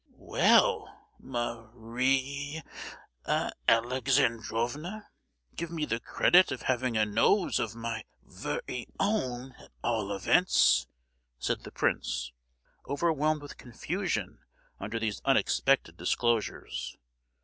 "Well, Ma—arie Alexandrovna, give me the credit of having a nose of my ve—ry own, at all events!" said the prince, overwhelmed with confusion under these unexpected disclosures.